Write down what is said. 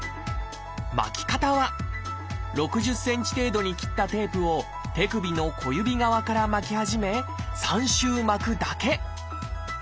巻き方は６０ｃｍ程度に切ったテープを手首の小指側から巻き始め３周巻くだけ。